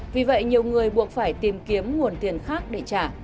vì vậy nhiều người buộc phải tìm kiếm nguồn tiền khác để trả